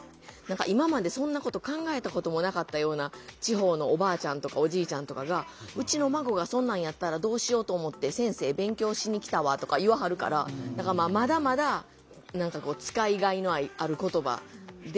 今までそんなこと考えたこともなかったような地方のおばあちゃんとかおじいちゃんとかが「うちの孫がそんなんやったらどうしようと思って先生勉強しに来たわ」とか言わはるからだからまだまだ使いがいのある言葉であるかなあとは思いますね。